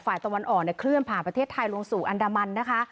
ตะวันออกเนี่ยเคลื่อนผ่านประเทศไทยลงสู่อันดามันนะคะ